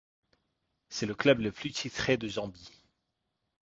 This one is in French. C'est le club le plus titré de Zambie.